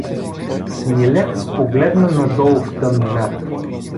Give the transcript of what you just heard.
Смилец погледна надолу в тъмнината.